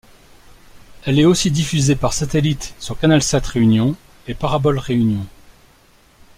Elle est aussi diffusée par satellite sur CanalSat Réunion et Parabole Réunion.